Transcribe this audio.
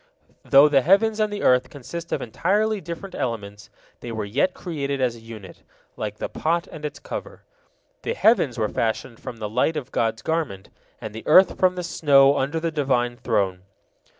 Though the heavens and the earth consist of entirely different elements, they were yet created as a unit, "like the pot and its cover." The heavens were fashioned from the light of God's garment, and the earth from the snow under the Divine Throne.